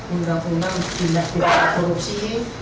undang undang tindak pidana korupsi